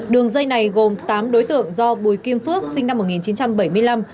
đường dây này gồm tám đối tượng do bùi kim phước sinh năm một nghìn chín trăm bảy mươi năm